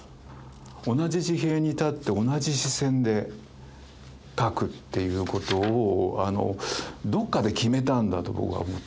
同じ地平に立って同じ視線で描くっていうことをどっかで決めたんだと僕は思ってますけどね。